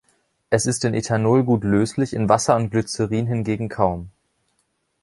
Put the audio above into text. Es ist in Ethanol gut löslich, in Wasser und Glycerin hingegen kaum.